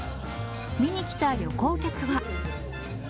見に来た旅行客は。